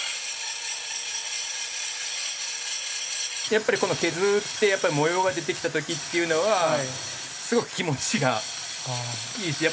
やっぱりこの削って模様が出てきた時というのはすごく気持ちがいいです。